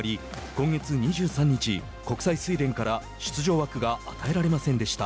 今月２３日、国際水連から出場枠が与えられませんでした。